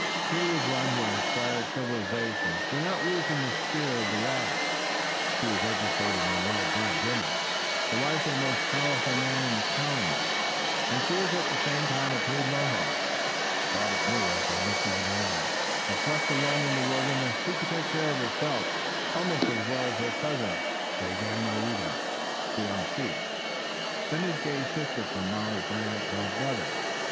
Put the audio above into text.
Here was one who had acquired civilization without losing the spirit of the wild. She was an educated and well bred woman, the wife of the most powerful man in the colonies, and she was at the same time a true Mohawk. Robert knew as he looked at her that if left alone in the wilderness she could take care of herself almost as well as her cousin, Daganoweda, the young chief. Then his gaze shifted from Molly Brant to her brother.